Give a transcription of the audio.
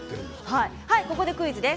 ここでクイズです。